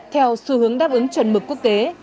theo xu hướng đáp ứng chuẩn mực quốc tế